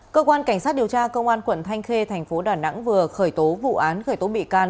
cơ quan cảnh sát điều tra công an quận thanh khê thành phố đà nẵng vừa khởi tố vụ án khởi tố bị can